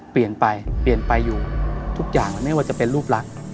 เปลี่ยนไปเปลี่ยนไปอยู่ทุกอย่างไม่ว่าจะเป็นรูปลักษณ์